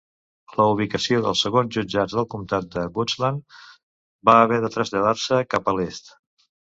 La ubicació dels segons jutjats del comtat de Goochland va haver de traslladar-se cap a l'est.